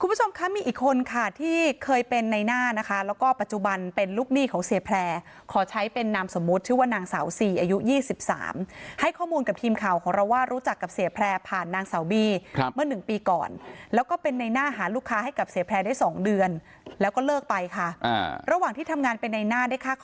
คุณผู้ชมคะมีอีกคนค่ะที่เคยเป็นในหน้านะคะแล้วก็ปัจจุบันเป็นลูกหนี้ของเสียแพร่ขอใช้เป็นนามสมมุติชื่อว่านางสาวสี่อายุ๒๓ให้ข้อมูลกับทีมข่าวของเราว่ารู้จักกับเสียแพร่ผ่านนางสาวบี้ครับเมื่อหนึ่งปีก่อนแล้วก็เป็นในหน้าหาลูกค้าให้กับเสียแพร่ได้สองเดือนแล้วก็เลิกไปค่ะระหว่างที่ทำงานเป็นในหน้าได้ค